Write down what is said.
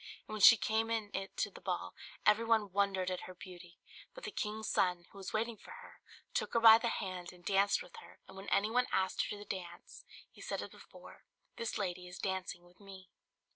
And when she came in it to the ball, every one wondered at her beauty; but the king's son, who was waiting for her, took her by the hand, and danced with her; and when any one asked her to dance, he said as before, "This lady is dancing with me."